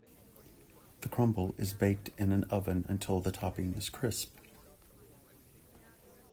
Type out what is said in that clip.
The crumble is baked in an oven until the topping is crisp.